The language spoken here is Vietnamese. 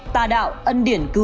tà đạo ân điển cứu rỗi